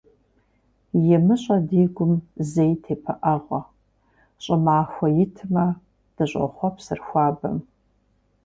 ИмыщӀэ ди гум зэи тепыӀэгъуэ, ЩӀымахуэ итмэ, дыщӀохъуэпсыр хуабэм.